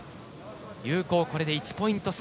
有効これで１ポイント差。